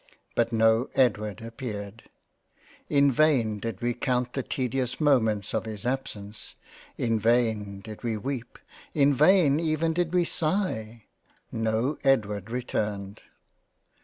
But no Edward ap peared. In vain did we count the tedious moments of his absence — in vain did we weep — in vain even did we sigh — no Edward returned —